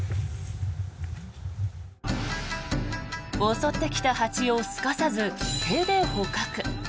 襲ってきた蜂をすかさず手で捕獲。